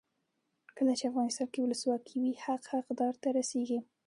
کله چې افغانستان کې ولسواکي وي حق حقدار ته رسیږي.